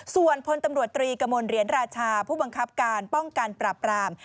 ส่วนพลตำรวจตรีกระมวลเหรียญราชาผู้บังคับการป้องกันปราบราม